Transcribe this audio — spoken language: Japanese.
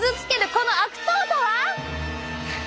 この悪党とは？